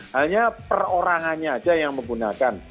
hanya perorangannya saja yang menggunakan